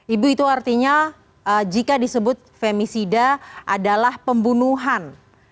ibu itu artinya jika disebut femisida adalah pembunuhan